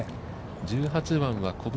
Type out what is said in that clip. １８番は、小袋。